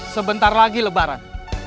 sebentar lagi lebaran